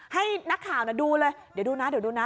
ให้นักข่าวดูเลยเดี๋ยวดูนะเดี๋ยวดูนะ